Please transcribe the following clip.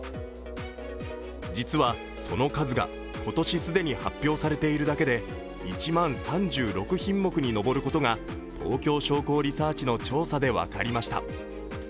実は、その数が今年既に発表されているだけで１万３６品目に上ることが東京商工リサーチの調査で分かりました。